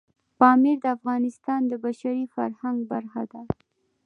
پامیر د افغانستان د بشري فرهنګ برخه ده.